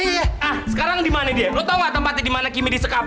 nah sekarang di mana dia lo tau gak tempatnya di mana kimi disekap